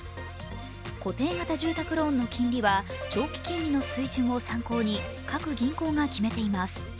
固定型住宅ローンの金利は長期金利の水準を参考に各銀行が決めています。